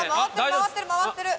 回ってる回ってる。